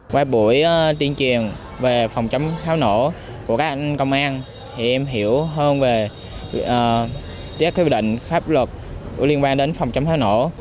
qua buổi tiên truyền về phòng chấm pháo nổ của các anh công an em hiểu hơn về các quy định pháp luật liên quan đến pháo nổ